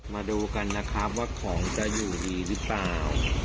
มาดูกันนะครับว่าของจะอยู่ดีหรือเปล่า